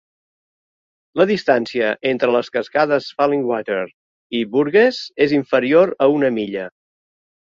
La distància entre les cascades Falling Water i Burgess és inferior a una milla.